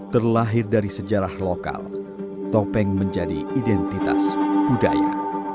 terlahir dari sejarah lokal topeng menjadi identitas budaya